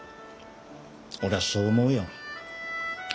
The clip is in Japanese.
俺はそう思うよ。